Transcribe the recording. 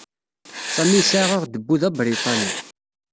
Sami yesɛa aɣdebbu d abriṭani.